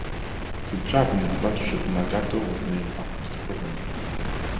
The Japanese battleship "Nagato" was named after this province.